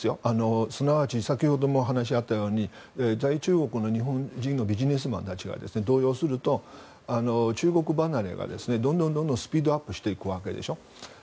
すなわち先ほども話があったように在中国の日本人のビジネスマンたちが動揺すると中国離れがどんどんスピードアップしていくわけでしょ。